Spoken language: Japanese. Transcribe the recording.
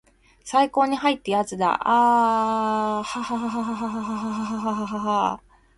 最高にハイ!ってやつだアアアアアアハハハハハハハハハハーッ